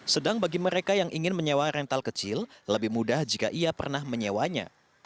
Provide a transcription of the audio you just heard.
sedang bagi mereka yang ingin menyewa rental kecil lebih mudah jika ia pernah menyewanya